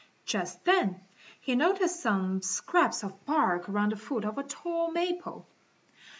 Just then he noticed some scraps of bark around the foot of a tall maple.